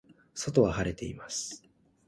外は晴れています。